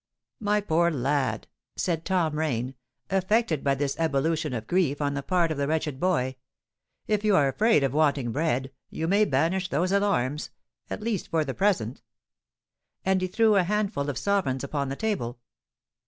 "My poor lad," said Tom Rain, affected by this ebullition of grief on the part of the wretched boy, "if you are afraid of wanting bread, you may banish those alarms—at least for the present." And he threw a handful of sovereigns upon the table.